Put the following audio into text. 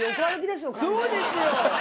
そうですよ。